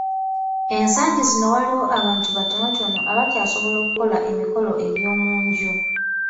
Ensangi zino waliwo abantu batonotono abakyasobola okukola emikolo egy’omu nju.